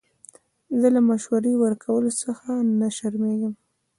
زه له مشورې ورکولو څخه نه شرمېږم.